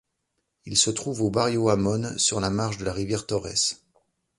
Il se trouve au Barrio Amon, sur la marge de la rivière Torres.